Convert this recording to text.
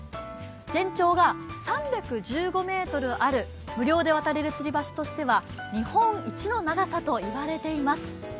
全長が３１５ｍある無料で渡れる吊り橋としては日本一の長さと言われています。